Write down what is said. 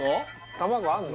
卵あんの？